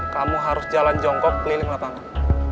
kamu harus jalan jongkok keliling lapangan